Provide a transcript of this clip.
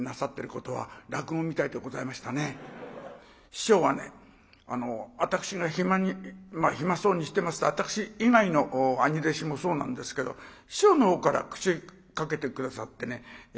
師匠は私が暇そうにしてますと私以外の兄弟子もそうなんですけど師匠のほうから口かけて下さってね。